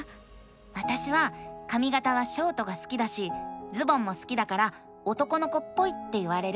わたしはかみがたはショートが好きだしズボンも好きだから男の子っぽいって言われる。